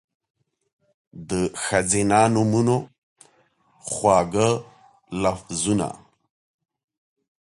د ښځېنه نومونو، خواږه لفظونه